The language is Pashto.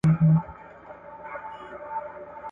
ګوندي تحلیلونه ډېری وخت یو اړخیز وي.